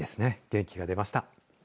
元気が出ました。